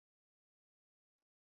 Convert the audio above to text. তিনি এই কোম্পানি চালু করেন।